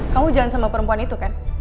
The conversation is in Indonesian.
kamu jangan sama perempuan itu kan